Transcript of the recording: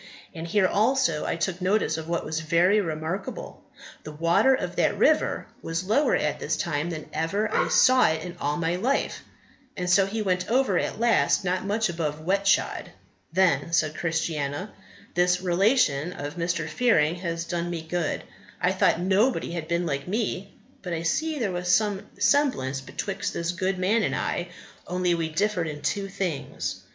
And here also I took notice of what was very remarkable; the water of that river was lower at this time than ever I saw it in all my life, so he went over at last not much above wet shod." Then said Christiana, "This relation of Mr. Fearing has done me good. I thought nobody had been like me, but I see there was some semblance betwixt this good man and I, only we differed in two things.